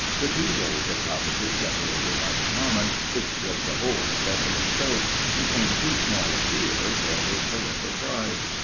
The two rows of cottages separated by the common, which was the whole of Beverly Stoke, became too small a theatre for his parental pride.